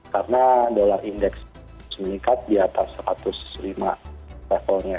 karena dolar indeks meningkat di atas satu ratus lima levelnya